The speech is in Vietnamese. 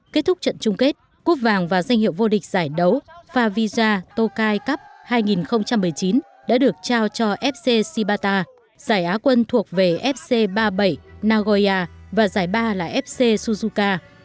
kết thúc trận chung kết quốc vàng và danh hiệu vô địch giải đấu favisa tokai cup hai nghìn một mươi chín đã được trao cho fc sibata giải á quân thuộc về fc ba mươi bảy nagoya và giải ba là fc suzuka